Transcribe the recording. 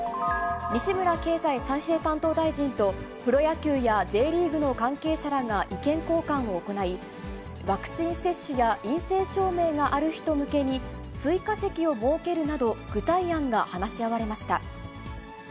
西村経済再生担当大臣と、プロ野球やＪリーグの関係者らが意見交換を行い、ワクチン接種や陰性証明がある人向けに追加席を設けるなど、具体案が話し合われました。